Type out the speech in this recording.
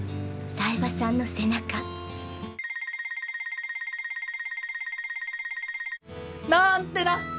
冴羽さんの背中。なんてな！